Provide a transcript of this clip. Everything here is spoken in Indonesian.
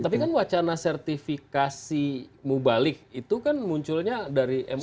tapi kan wacana sertifikasi mubalik itu kan munculnya dari mk